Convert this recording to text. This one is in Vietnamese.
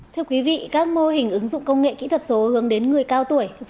thưa quý vị các mô hình ứng dụng công nghệ kỹ thuật số hướng đến người cao tuổi